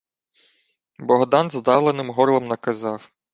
Богдан здавленим горлом наказав: